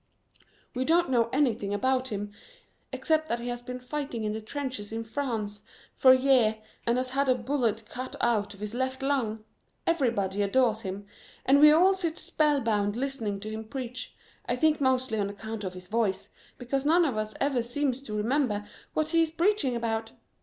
We don't know anything about him except that he has been fighting in the trenches in France for a year and has had a bullet cut out of his left lung. Everybody adores him, and we all sit spellbound listening to him preach, I think mostly on account of his voice, because none of us ever seems to remember what he is preaching about.